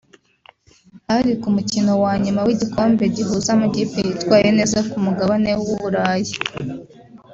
Hari ku mukino wa nyuma w’igikombe gihuza amakipe yitwaye neza ku mugabane w’Uburayi